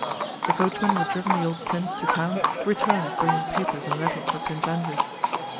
The coachman who had driven the old prince to town returned bringing papers and letters for Prince Andrew.